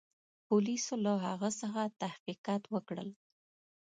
پولیسو له هغه څخه تحقیقات وکړل.